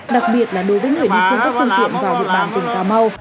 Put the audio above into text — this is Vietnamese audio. đặc biệt là đối với người đi chăm sóc phương tiện vào địa bàn tỉnh cà mau